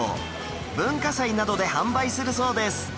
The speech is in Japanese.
文化祭などで販売するそうです